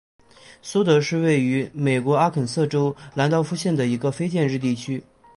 芬德是位于美国阿肯色州兰道夫县的一个非建制地区。